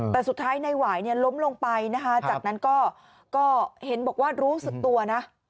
แต่สุดท้ายนายหวายล้มลงไปนะคะจากนั้นก็เห็นบอกว่ารู้สึกตัวนะ